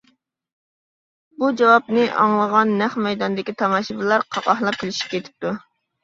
بۇ جاۋابنى ئاڭلىغان نەق مەيداندىكى تاماشىبىنلار قاقاھلاپ كۈلۈشۈپ كېتىپتۇ.